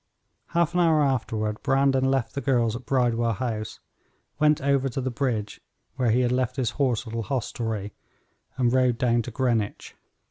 Half an hour afterward Brandon left the girls at Bridewell House, went over to the Bridge where he had left his horse at a hostelry, and rode down to Greenwich.